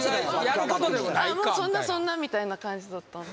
「そんなそんな」みたいな感じだったので。